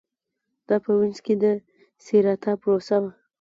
دا په وینز کې د سېراتا پروسه وه